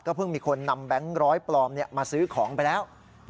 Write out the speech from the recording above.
เพิ่งมีคนนำแบงค์ร้อยปลอมมาซื้อของไปแล้ว